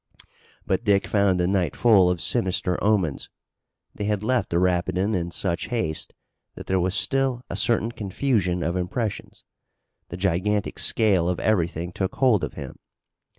But Dick found the night full of sinister omens. They had left the Rapidan in such haste that there was still a certain confusion of impressions. The gigantic scale of everything took hold of him.